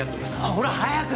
ほら早く！